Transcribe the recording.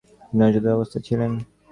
তিনি নজরবন্দি অবস্থায় ছিলেন।